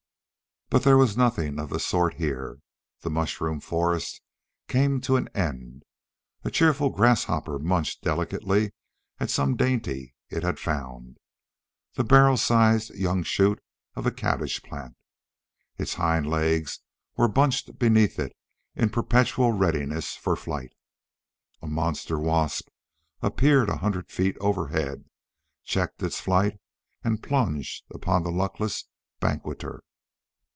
But there was nothing of the sort here. The mushroom forest came to an end. A cheerful grasshopper munched delicately at some dainty it had found the barrel sized young shoot of a cabbage plant. Its hind legs were bunched beneath it in perpetual readiness for flight. A monster wasp appeared a hundred feet overhead, checked in its flight, and plunged upon the luckless banqueter.